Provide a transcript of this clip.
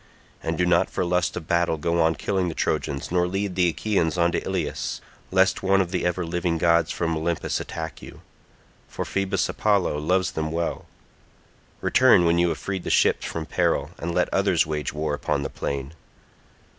And do not for lust of battle go on killing the Trojans nor lead the Achaeans on to Ilius, lest one of the ever living gods from Olympus attack you—for Phoebus Apollo loves them well: return when you have freed the ships from peril, and let others wage war upon the plain.